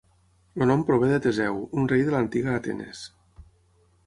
El nom prové de Teseu, un rei de l'antiga Atenes.